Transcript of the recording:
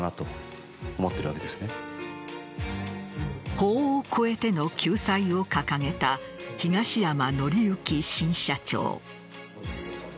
法を超えての救済を掲げた東山紀之新社長。